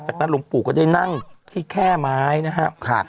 จากนั้นหลวงปู่ก็ได้นั่งที่แค่ไม้นะครับ